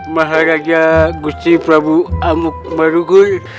maharaja gusti prabu amuk marukwote